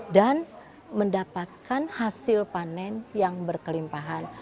dan mendapatkan hasil panen yang berkelimpahan